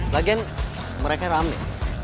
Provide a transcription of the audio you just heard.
lagian mereka rame